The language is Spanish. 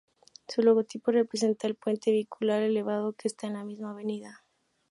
Su logotipo representa el puente vehicular elevado que está en la misma avenida.